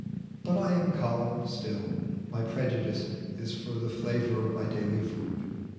18 But I am Colin still : my prejudice Is for the flavor of my daily food.